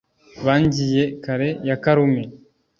ba ngiye-kare ya karume